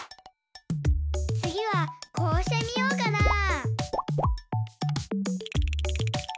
つぎはこうしてみようかな？